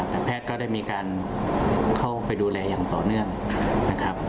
แต่แพทย์ก็ได้มีการเข้าไปดูแลอย่างต่อเนื่องนะครับ